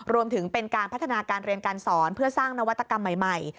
รวมถึงเป็นการพัฒนาการเรียนการสอนเพื่อสร้างนวัตกรรมใหม่